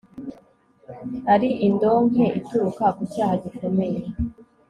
ari indonke ituruka ku cyaha gikomeye